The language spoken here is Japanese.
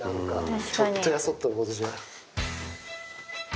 ちょっとやそっとのことじゃ。